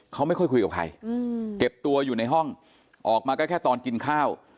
เขาไม่ค่อยคุยกับใครเก็บตัวอยู่ในห้องออกมาก็แค่ตอนกินข้าว